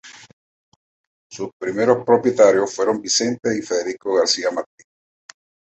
Sus primeros propietarios fueron Vicente y Federico García Martín.